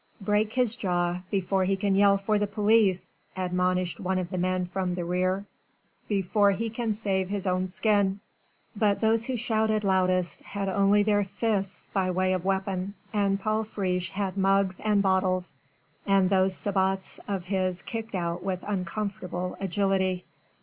"Break his jaw before he can yell for the police," admonished one of the men from the rear, "before he can save his own skin." But those who shouted loudest had only their fists by way of weapon and Paul Friche had mugs and bottles, and those sabots of his kicked out with uncomfortable agility.